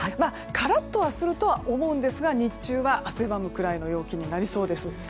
カラッとはすると思うんですが日中は汗ばむくらいの陽気になりそうです。